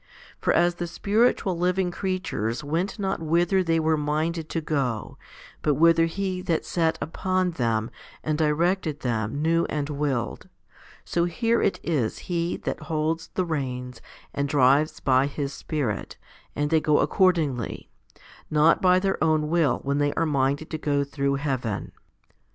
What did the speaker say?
For as the spiritual living creatures went not whither they were minded to go, but whither He that sat upon them and directed them knew and willed, so here it is He that holds the reins and drives by His Spirit, and they go accordingly, not by their own will when they are minded to go through heaven.